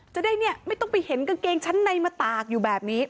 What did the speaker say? จะได้เนี่ยไม่ต้องไปเห็นกางเกงชั้นในมาตากอยู่แบบนี้